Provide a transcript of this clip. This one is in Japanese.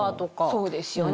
そうですよね。